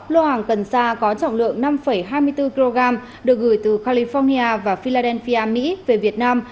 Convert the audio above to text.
lô hàng cần sa có trọng lượng năm hai mươi bốn kg được gửi từ california và philadelphia mỹ về việt nam